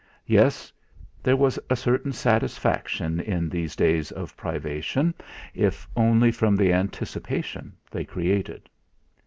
Yes there was a certain satisfaction in these days of privation, if only from the anticipation they created.